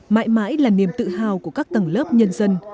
mãi mãi là niềm tự hào của các tầng lớp nhân dân